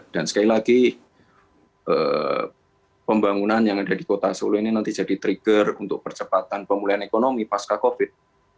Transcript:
sekali lagi pembangunan yang ada di kota solo ini nanti jadi trigger untuk percepatan pemulihan ekonomi pasca covid